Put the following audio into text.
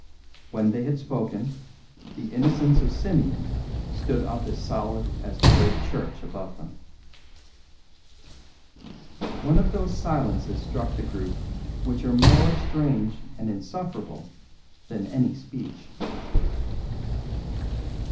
When they had spoken, the innocence of Simeon stood up as solid as the great church above them. One of those silences struck the group which are more strange and insufferable than any speech.